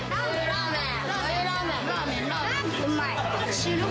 ラーメン。